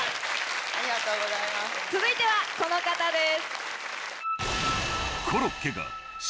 続いてはこの方です。